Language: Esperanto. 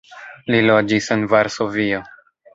Li loĝis en Varsovio.